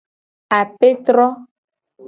Apetro.